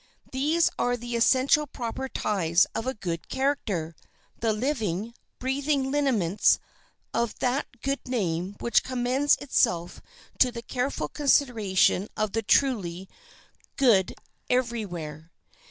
These are the essential proper ties of a good character, the living, breathing lineaments of that good name which commends itself to the careful consideration of the truly good every where.